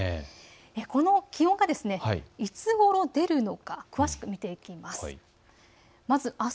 この気温がいつごろ出るのか詳しく見ていきます。